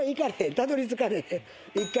たどりつかれへん。